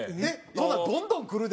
そんなんどんどんくるで。